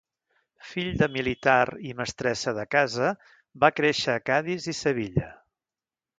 Fill de militar i mestressa de casa, va créixer a Cadis i Sevilla.